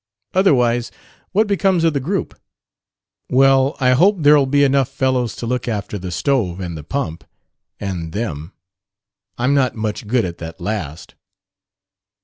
Otherwise, what becomes of the Group?" "Well, I hope there'll be enough fellows to look after the stove and the pump and them. I'm not much good at that last."